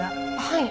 はい。